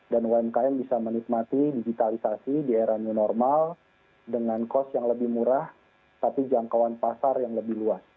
dan umkm bisa menikmati digitalisasi di era new normal dengan cost yang lebih murah tapi jangkauan pasar yang lebih luas